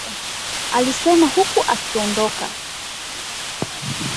Alisema huku akiondoka